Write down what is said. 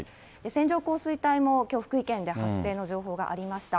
線状降水帯もきょう、福井県で発生の情報がありました。